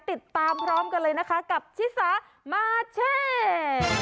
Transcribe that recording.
ติดตามพร้อมกันเลยนะคะกับชิสามาเช่